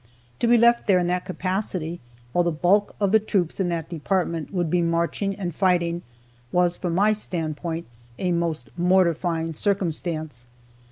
To be left there in that capacity, while the bulk of the troops in that department would be marching and fighting was, from my standpoint, a most mortifying circumstance.